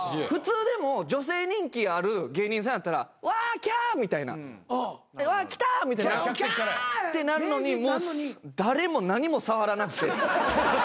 普通でも女性人気ある芸人さんやったら「わーキャー！」みたいな「わー来たー！」みたいに。「キャー！」ってなるのに誰も何も触らなくて。